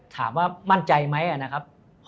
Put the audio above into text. ถามว่ามั่นใจไหมนะครับ